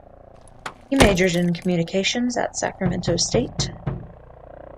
He majored in communications at Sacramento State.